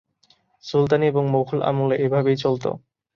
সুলতানি এবং মোগল আমলে এভাবেই চলতো।